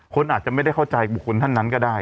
คนอาจจะไม่ได้เข้าใจบุคคลท่านนั้นก็ได้